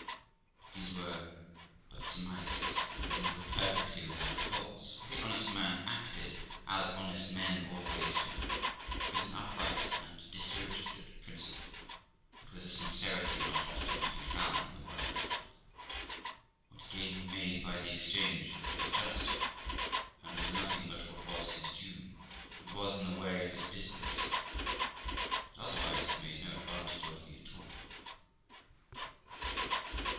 But these were but surmises, and, indeed, were perfectly without cause, for the honest man acted as honest men always do, with an upright and disinterested principle, and with a sincerity not often to be found in the world. What gain he made by the exchange was just, and was nothing but what was his due, and was in the way of his business ; but otherwise he made no advantage of me at all.